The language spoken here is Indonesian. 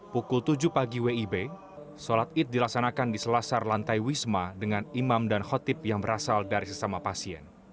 pukul tujuh pagi wib sholat id dilaksanakan di selasar lantai wisma dengan imam dan khotib yang berasal dari sesama pasien